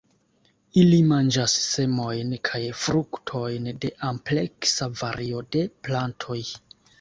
Ili manĝas semojn kaj fruktojn de ampleksa vario de plantoj.